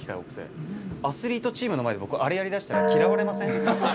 アスリートチームの前で僕あれやりだしたら。